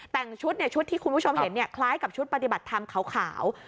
แต่งชุดที่คุณผู้ชมเห็นคล้ายกับชุดปฏิบัติธรรมขาว